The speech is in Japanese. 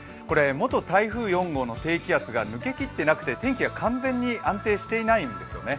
元台風４号の低気圧が抜けきっていなくて、天気が完全に安定していないんですよね。